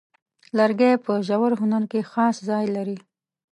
لرګی په ژور هنر کې خاص ځای لري.